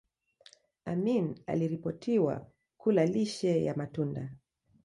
Amin aliripotiwa kula lishe ya matunda